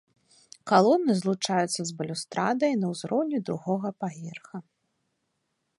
Калоны злучаюцца з балюстрадай на ўзроўні другога паверха.